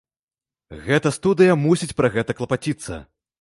Гэта студыя мусіць пра гэта клапаціцца.